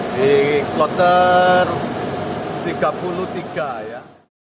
di kloter tiga puluh tiga ya